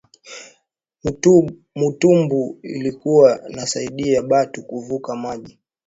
Mutumbu ilikuwa nasaidia batu kuvuka maji